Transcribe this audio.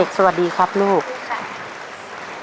เด็กสวัสดีครับลูกสวัสดีครับ